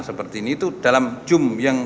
seperti ini itu dalam zoom yang